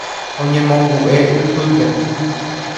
Oñemongu'e ypýpe.